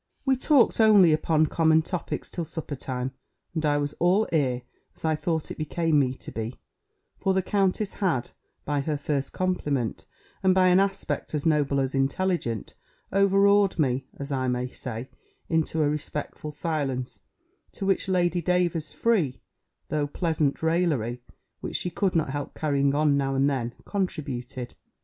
We talked only upon common topics till supper time, and I was all ear, as I thought it became me to be; for the countess had, by her first compliment, and by an aspect as noble as intelligent, overawed me, as I may say, into a respectful silence, to which Lady Davers's free, though pleasant raillery (which she could not help carrying on now and then) contributed.